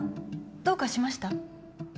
どうかしました？